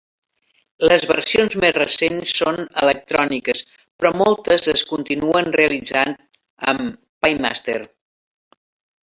Les versions més recents són electròniques, però moltes es continuen realitzant amb PayMaster.